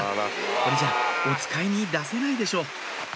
これじゃおつかいに出せないでしょう